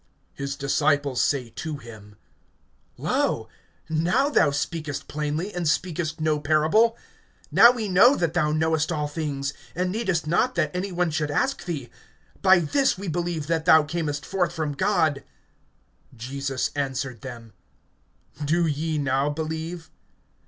(29)His disciples say to him: Lo, now thou speakest plainly, and speakest no parable. (30)Now we know that thou knowest all things, and needest not that any one should ask thee. By this we believe that thou camest forth from God. (31)Jesus answered them: Do ye now believe?